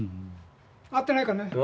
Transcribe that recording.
会ってないからね。